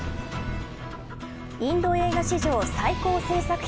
インド映画史上最高制作費